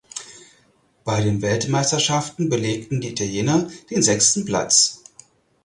Bei den Weltmeisterschaften belegten die Italiener den sechsten Platz.